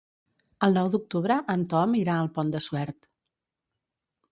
El nou d'octubre en Tom irà al Pont de Suert.